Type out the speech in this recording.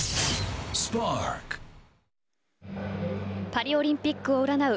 パリオリンピックを占う